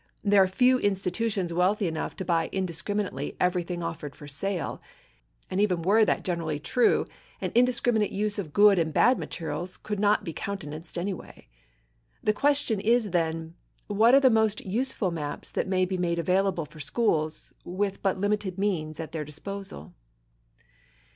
There are few institutions wealthy enough to buy indiscriminately everything offered for sale, and even were that generally true, an indiscriminate use of good and bad materials could not be countenanced anyway. The question is then, what are the most useful maps that may be made available for schools with but limited means at their disposal.